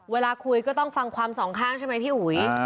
เวลาคุยก็ต้องฟังความสองข้างใช่ไหมพี่อุ๋ย